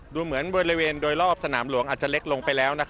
ดูเหมือนบริเวณโดยรอบสนามหลวงอาจจะเล็กลงไปแล้ว